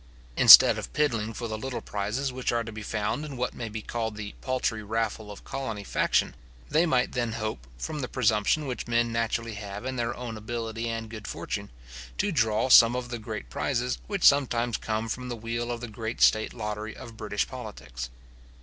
Instead of piddling for the little prizes which are to be found in what may be called the paltry raffle of colony faction, they might then hope, from the presumption which men naturally have in their own ability and good fortune, to draw some of the great prizes which sometimes come from the wheel of the great state lottery of British politics.